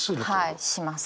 はいします。